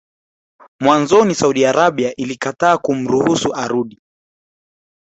Mwanzoni Saudi Arabia ilikataa kumruhusu arudi